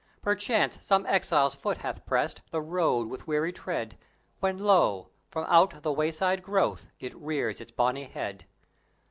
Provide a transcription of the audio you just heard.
Perchance some exile's foot hath pressed The road with weary tread, When lo! from out the wayside growth It rears its bonny head.